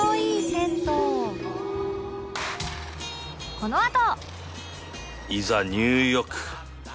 このあと